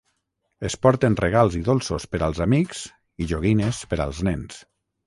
Es porten regals i dolços per als amics i joguines per als nens.